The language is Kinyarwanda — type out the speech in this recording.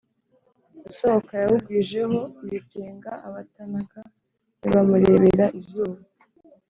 Usohoka yawugwijeho ibitenga abatanaga ntibamurebera izuba